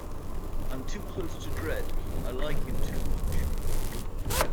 I'm too close to Dredd, I like him too much.